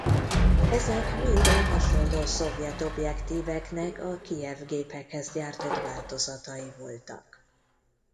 Ezek mind a hasonló szovjet objektíveknek a Kijev gépekhez gyártott változatai voltak.